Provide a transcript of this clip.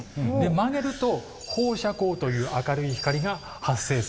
曲げると放射光という明るい光が発生する。